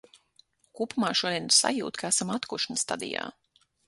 Kopumā šodien ir sajūta, ka esam atkušņa stadijā.